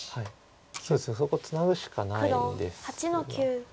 そうですねそこツナぐしかないんですが。